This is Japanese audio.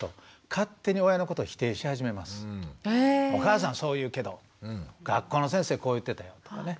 お母さんそう言うけど学校の先生こう言ってたよとかね。